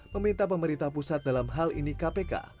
meminta pemerintah pusat dalam hal ini kpk